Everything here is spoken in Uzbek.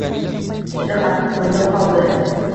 Juda qattiq kunda qoldi.